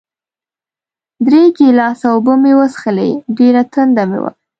درې ګیلاسه اوبه مې وڅښلې، ډېره تنده مې وه.